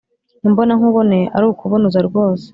imbonankubone arakubunuza rwose